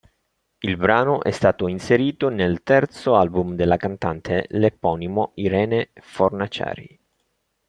Il brano è stato inserito nel terzo album della cantante, l'eponimo "Irene Fornaciari".